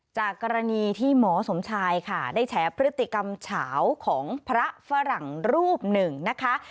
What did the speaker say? จากกรณีที่หมอสมชายค่ะได้แฉพฤติกรรมเฉาของพระฝรั่งรูปหนึ่งนะคะ